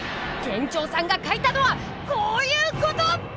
店長さんが書いたのはこういうこと！